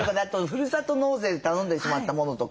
ふるさと納税で頼んでしまったものとか。